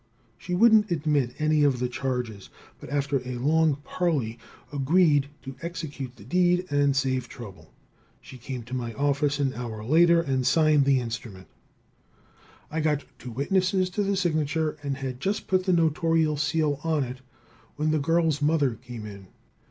She wouldn't admit any of the charges, but after a long parley agreed to execute the deed and save trouble. She came to my office an hour later, and signed the instrument I got two witnesses to the signature and had just put the notarial seal on it when the girl's mother came in.